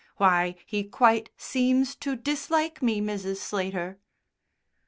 Why, he quite seems to dislike me, Mrs. Slater!"